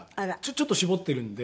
ちょっと絞ってるんで。